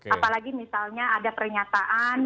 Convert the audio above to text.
apalagi misalnya ada pernyataan